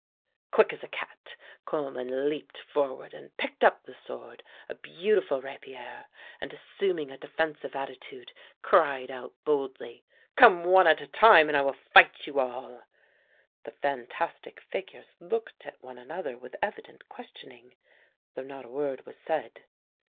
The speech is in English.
Quick as a cat Coleman leaped forward and picked up the sword, a beautiful rapier, and, assuming a defensive attitude, cried out boldly: "Come one at a time and I will fight you all!" The fantastic figures looked at one another with evident questioning, though not a word was said.